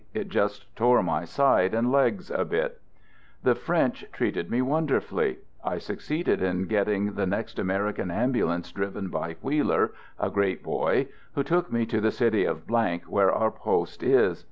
It just tore my side and legs a bit. The French treated me wonderfully. I suc ceeded in getting the next American Ambulance driven by Wheeler (a great boy) who took me to the city of , where our poste is.